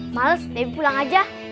males debbie pulang aja